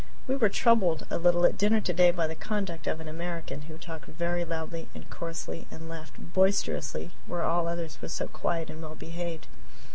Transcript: We were troubled a little at dinner today by the conduct of an American, who talked very loudly and coarsely and laughed boisterously where all others were so quiet and well behaved.